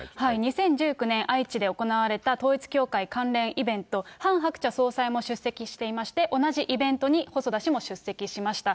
２０１９年、愛知で行われた統一教会関連イベント、ハン・ハクチャ総裁も出席していまして、同じイベントに細田氏も出席しました。